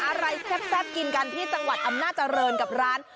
อะไรแซ่บกินกันที่จังหวัดอำนาจริงกับร้าน